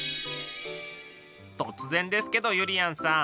突然ですけどゆりやんさん。